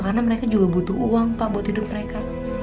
karena mereka juga butuh uang pak buat hidup mereka